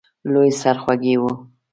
لوی سرخوږی وو.